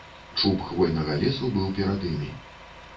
Чуб хвойнага лесу быў перад імі.